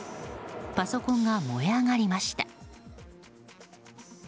パソコンが燃え上がりました。